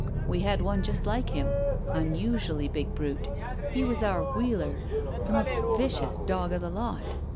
We had one just like him. Unusually big brute. He was our 'wheeler.' The most vicious dog of the lot.